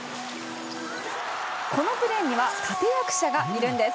このプレーには立役者がいるんです。